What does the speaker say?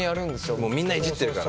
もうみんないじってるから。